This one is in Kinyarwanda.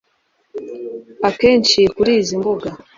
Akenshi kuri izi mbuga